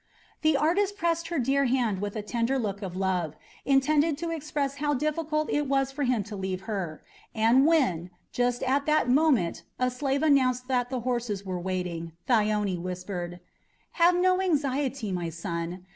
The artist pressed her dear hand with a tender look of love, intended to express how difficult it was for him to leave her, and when, just at that moment, a slave announced that the horses were waiting, Thyone whispered: "Have no anxiety, my son!